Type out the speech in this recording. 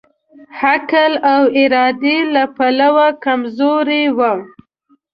عقل او ارادې له پلوه کمزوری وو.